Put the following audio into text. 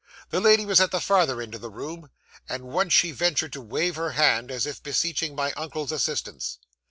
The lady was at the farther end of the room, and once she ventured to wave her hand, as if beseeching my uncle's assistance.